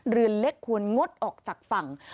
เรือเล็กควรงดออกจากฝั่ง